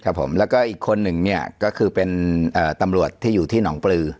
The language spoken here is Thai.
ครับผมแล้วก็อีกคนหนึ่งเนี่ยก็คือเป็นตำรวจที่อยู่ที่หนองปลือ